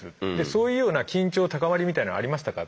そういうような緊張高まりみたいなのありましたか？